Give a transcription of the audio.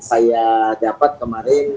saya dapat kemarin